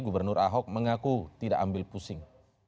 gubernur ahok mengaku tidak ambil pusing